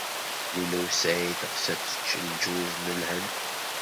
Lila u Saɛid teɣs ad tečč lǧuz n Lhend.